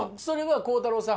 孝太郎さん